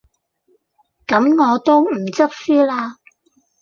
咁我都唔執輸喇